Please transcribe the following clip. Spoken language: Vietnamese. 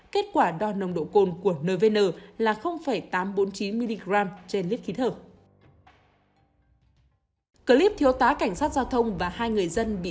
kết quả đo nồng độ cồn của nvn là tám trăm bốn mươi chín mg trên lít khí thở